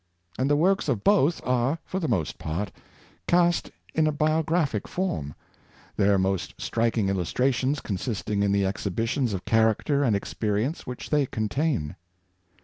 And the works of both are, for the most part, cast in a bio graphic form, their most striking illustrations consisting Plutarch's ''Lives:'' 549 in the exhibitions of character and experience which they contain.